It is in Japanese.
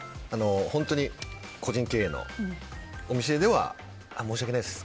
本当に個人経営のお店では申し訳ないです